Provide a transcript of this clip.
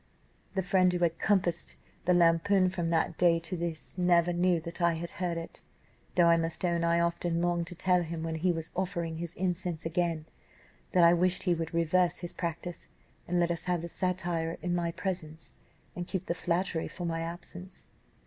The friend who composed the lampoon, from that day to this never knew that I had heard it; though I must own I often longed to tell him, when he was offering his incense again, that I wished he would reverse his practice, and let us have the satire in my presence, and keep the flattery for my absence.